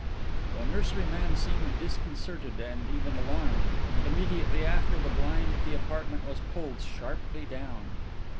The nurseryman seemed disconcerted, and even alarmed; and immediately after the blind of the apartment was pulled sharply down.